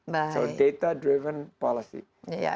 jadi kebijakan yang berdasarkan data